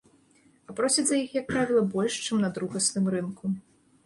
А просяць за іх, як правіла, больш, чым на другасным рынку.